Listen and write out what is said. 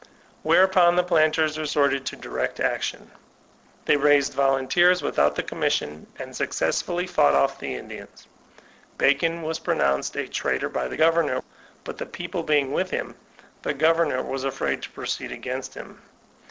Whereupon the planters resorted to direct action* They raised the volunteers without the commission, and successfully fotvgfat off the Indians. Bacon was pronounced a traitor by the governor; but the people being with him, the g o ver nor was afraid to proceed against him.